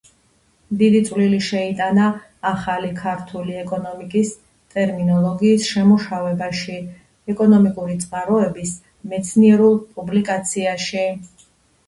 დიდი წვლილი შეიტანა ახალი ქართული ეკონომიკური ტერმინოლოგიის შემუშავებაში, ეკონომიკური წყაროების მეცნიერულ პუბლიკაციაში.